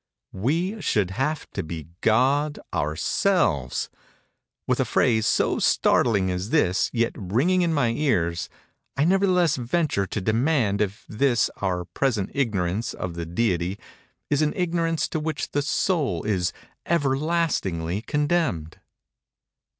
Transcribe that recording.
"We should have to be God ourselves!"—With a phrase so startling as this yet ringing in my ears, I nevertheless venture to demand if this our present ignorance of the Deity is an ignorance to which the soul is everlastingly condemned.